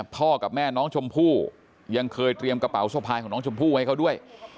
พ่อกับแม่น้องชมพู่ยังเคยเตรียมกระเป๋าสะพายของน้องชมพู่ให้เขาด้วย